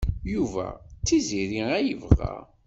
Yuba d Tiziri ay yebɣa.